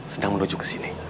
senang menuju kesini